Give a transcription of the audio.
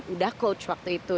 udah coach waktu itu